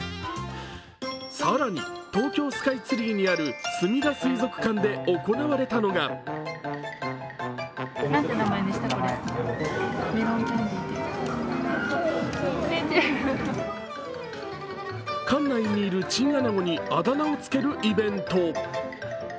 更に東京スカイツリーにあるすみだ水族館で行われたのが館内にいるチンアナゴにあだ名をつけるイベント。